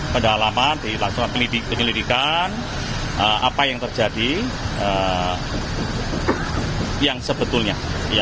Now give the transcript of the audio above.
pendalaman dilakukan penyelidikan apa yang terjadi yang sebetulnya